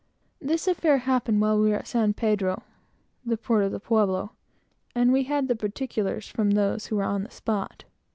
This affair happened while we were at San Pedro, (the port of the Pueblo,) and we had all the particulars directly from those who were on the spot.